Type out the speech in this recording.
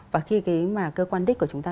và khi cái cơ quan đích của chúng ta